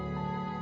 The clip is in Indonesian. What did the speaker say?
aku mau ke rumah